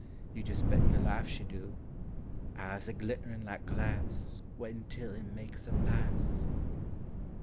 — You jes' bet yer life she do !— Eyes a glittering like glass, Waitin' till he makes a pass!